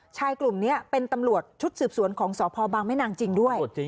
ชายกลุ่มนี้เป็นตำรวจชุดสืบสวนของสพบางแม่นางจริงด้วย